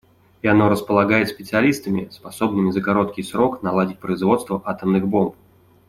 И оно располагает специалистами, способными за короткий срок наладить производство атомных бомб.